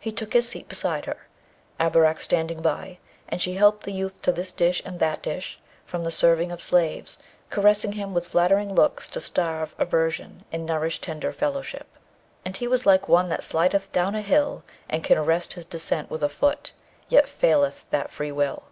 He took his seat beside her, Abarak standing by, and she helped the youth to this dish and that dish, from the serving of slaves, caressing him with flattering looks to starve aversion and nourish tender fellowship. And he was like one that slideth down a hill and can arrest his descent with a foot, yet faileth that freewill.